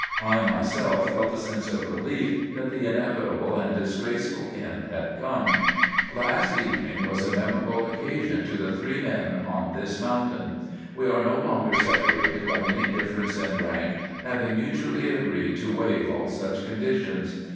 I myself felt a sense of relief that the inevitable and disgraceful end had come. "Last evening was a memorable occasion to the three men on this mountain. We are no longer separated by any difference in rank, having mutually agreed to waive all such conditions.